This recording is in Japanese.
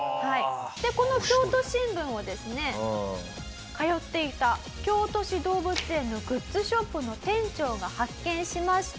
でこの『京都新聞』をですね通っていた京都市動物園のグッズショップの店長が発見しまして。